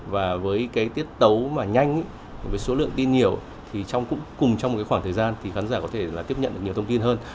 và với cái tiết tấu mà nhanh với số lượng tin nhiều thì cũng cùng trong một khoảng thời gian thì khán giả có thể là tiếp nhận được nhiều thông tin hơn